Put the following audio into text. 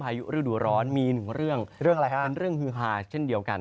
ยุฤดูร้อนมีหนึ่งเรื่องเรื่องอะไรฮะเป็นเรื่องฮือฮาเช่นเดียวกัน